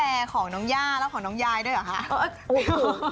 ของน้องย่าแล้วของน้องยายด้วยเหรอคะ